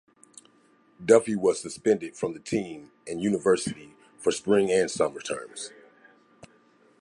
Duffey was suspended from the team and university for spring and summer terms.